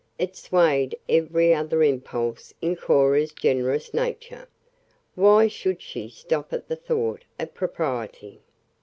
It swayed every other impulse in Cora's generous nature. Why should she stop at the thought of propriety?